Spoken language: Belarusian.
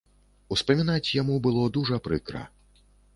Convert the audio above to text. Успамінаць яму было дужа прыкра.